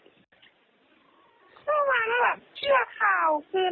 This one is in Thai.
เชื่อข่าวเกินไปฟังข่าวจากเพจฐีมีอะไรเนี่ย